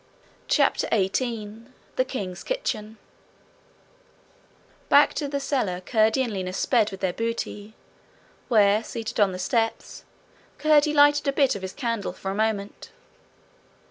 CHAPTER 18 The King's Kitchen Back to the cellar Curdie and Lina sped with their booty, where, seated on the steps, Curdie lighted his bit of candle for a moment.